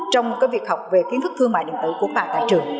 trong cái việc học về kiến thức thương mại điện tử của các bạn tại trường